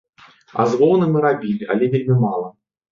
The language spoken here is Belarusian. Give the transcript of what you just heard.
А з воўны мы рабілі, але вельмі мала.